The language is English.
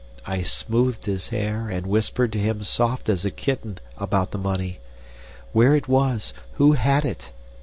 I smoothed his hair and whispered to him soft as a kitten, about the money where it was, who had it?